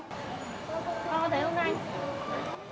con có thế không anh